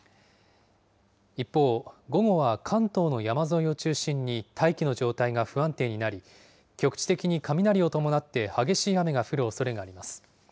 一方、午後は関東の山沿いを中心に大気の状態が不安定になり、局地的に雷を伴って激しい雨が降るおそれがあります。